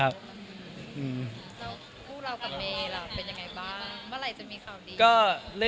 แล้วคู่เรากับเมย์ล่ะเป็นยังไงบ้างเมื่อไหร่จะมีข่าวดี